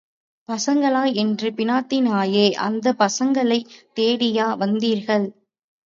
பசங்களா என்று பினாத்தினாயே, அந்தப் பசங்களைத் தேடியா வந்தீர்கள்?